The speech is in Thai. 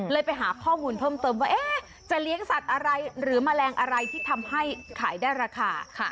ไปหาข้อมูลเพิ่มเติมว่าจะเลี้ยงสัตว์อะไรหรือแมลงอะไรที่ทำให้ขายได้ราคา